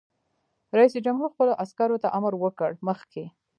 رئیس جمهور خپلو عسکرو ته امر وکړ؛ مخکې!